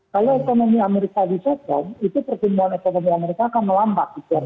kalau ekonomi amerika di second itu pertumbuhan ekonomi amerika akan melambat